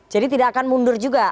jadi tidak akan mundur juga